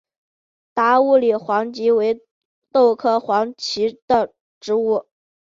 达乌里黄耆为豆科黄芪属的植物。